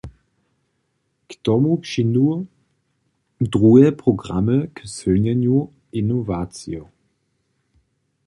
K tomu přińdu druhe programy k sylnjenju inowacijow.